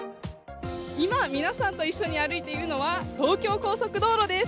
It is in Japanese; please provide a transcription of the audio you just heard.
今、皆さんと一緒に歩いているのは東京高速道路です。